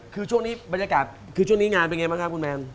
คือช่วงนี้บรรยากาศคือช่วงนี้งานเป็นไงบ้างครับคุณแมน